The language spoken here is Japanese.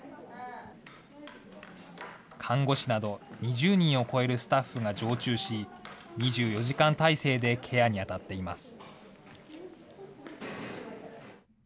看護師など２０人を超えるスタッフが常駐し、２４時間態勢でケアに当たっています。